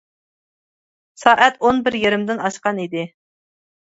سائەت ئون بىر يېرىمدىن ئاشقان ئىدى.